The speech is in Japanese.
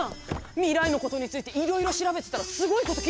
未来のことについていろいろ調べてたらすごいこと聞いちゃって。